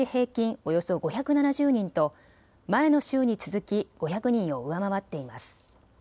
およそ５７０人と前の週に続き５００人を上回っています。